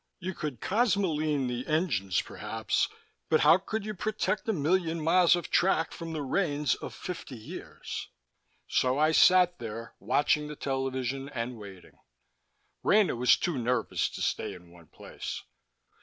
You could cosmoline the engines, perhaps, but how could you protect a million miles of track from the rains of fifty years? So I sat there, watching the television and waiting. Rena was too nervous to stay in one place.